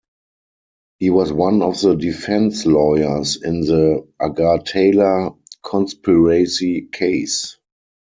He was one of the defense lawyers in the Agartala conspiracy case.